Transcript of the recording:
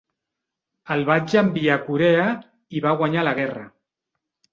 El vaig envia a Corea i va guanyar la guerra.